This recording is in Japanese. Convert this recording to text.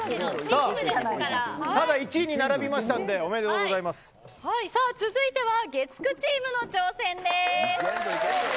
ただ１位に並びましたので続いては月９チームの挑戦です。